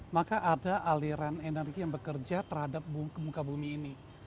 maka ada aliran energi yang bekerja terhadap muka bumi ini